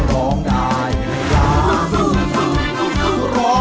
ร้องได้ให้ล้าน